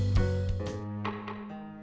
tunggu aku mau cari